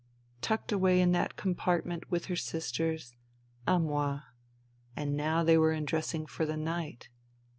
.. Tucked away in that compart ment with her sisters. ... A moi, ... Now they were undressing for the night.